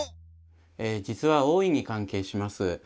実は大いに関係します。